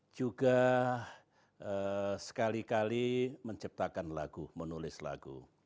juga sekali kali menciptakan lagu menulis lagu